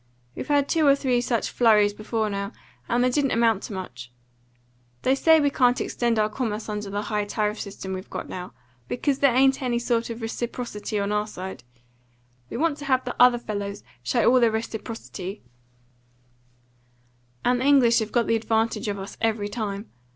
We've had two or three such flurries before now, and they didn't amount to much. They say we can't extend our commerce under the high tariff system we've got now, because there ain't any sort of reciprocity on our side, we want to have the other fellows show all the reciprocity, and the English have got the advantage of us every time.